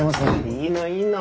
いいのいいの。